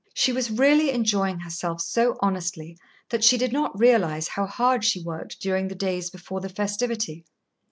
She was really enjoying herself so honestly that she did not realise how hard she worked during the days before the festivity.